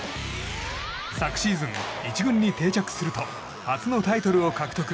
昨シーズン、１軍に定着すると初のタイトルを獲得。